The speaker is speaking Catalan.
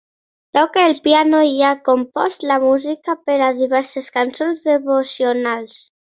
Toca el piano i ha compost la música per a diverses cançons devocionals.